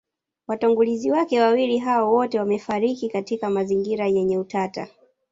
Watangulizi wake wawili hao wote wamefariki katika mazingira yenye utata